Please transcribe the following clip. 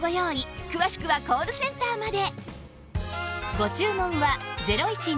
詳しくはコールセンターまで